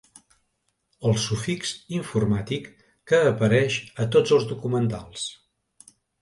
El sufix informàtic que apareix a tots els documentals.